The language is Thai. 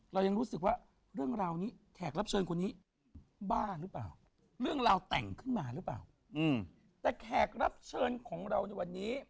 หรือเปล่าเรื่องราวแต่งขึ้นมาหรือเปล่าอืมแต่แขกรับเชิญของเราในวันนี้